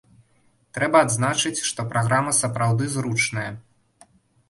Трэба адзначыць, што праграма сапраўды зручная.